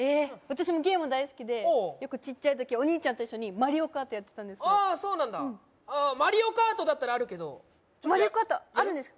私もゲーム大好きでよくちっちゃい時お兄ちゃんと一緒にマリオカートやってたんですああそうなんだマリオカートだったらあるけどマリオカートあるんです？